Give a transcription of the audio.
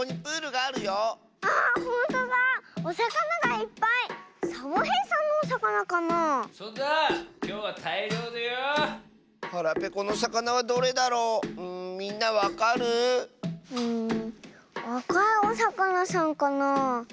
あかいおさかなさんかなあ。